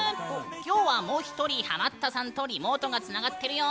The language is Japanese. きょうはもう１人ハマったさんとリモートがつながっているよ。